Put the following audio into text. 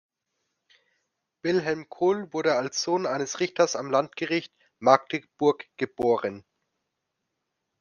Wilhelm Kohl wurde als Sohn eines Richters am Landgericht Magdeburg geboren.